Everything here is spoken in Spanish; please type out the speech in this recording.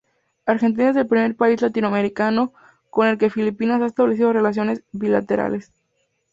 Argentina es el primer país latinoamericano con el que Filipinas ha establecido relaciones bilaterales.